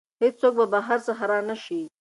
هیڅوک به بهر څخه را نه شي.